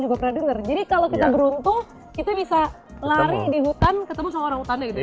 jadi kalau kita beruntung kita bisa lari di hutan ketemu sama orang utannya gitu